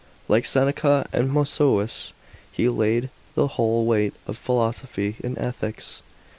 Like Seneca and Musou'us he laid the whole weight of philosophy in ethics.